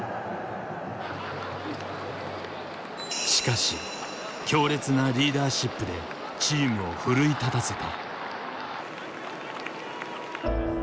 しかし強烈なリーダーシップでチームを奮い立たせた。